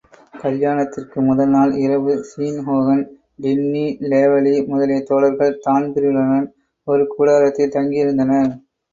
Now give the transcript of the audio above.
கல்யாணத்திற்கு முதல் நாள் இரவு ஸீன் ஹோகன், டின்னி லேவலி முதலிய தோழர்கள் தான்பிரீனுடன் ஒரு கூடாரத்தில் தங்கியிருந்தனர்.